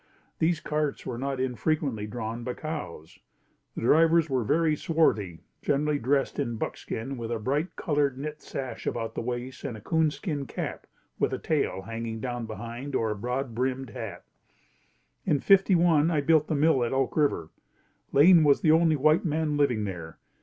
These carts were not infrequently drawn by cows. The drivers were very swarthy, generally dressed in buckskin with a bright colored knit sash about the waist and a coonskin cap with a tail hanging down behind or a broad brimmed hat. In '51 I built a mill at Elk River. Lane was the only white man living there.